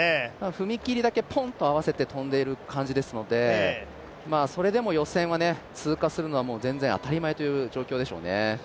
踏切だけぽんと合わせて跳んでいるような感じですのでそれでも予選を通過するのは全然当たり前という状況でしょうね。